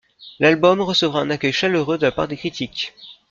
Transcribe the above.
L'album recevra un accueil chaleureux de la part des critiques.